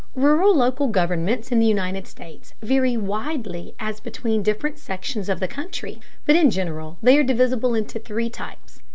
Rural local governments in the United States vary widely as between different sections of the country, but in general they are divisible into three types.